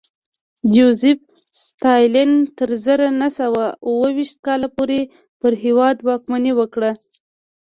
جوزېف ستالین تر زر نه سوه اوه ویشت کال پورې پر هېواد واکمني وکړه